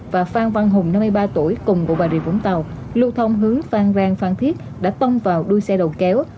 và phan văn hùng năm mươi ba tuổi cùng của bà rịa vũng tàu lưu thông hướng phan rang phan thiết đã tông vào đuôi xe đầu kéo